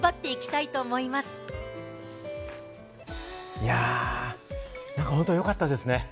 いや、本当よかったですね。